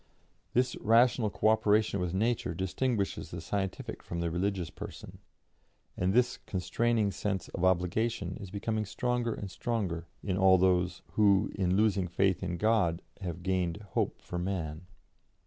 This rational 'co operation with Nature' distinguishes the scientific from the religious person, and this constraining sense of obligation is becoming stronger and stronger in all those who, in losing faith in God, have gained hope for man."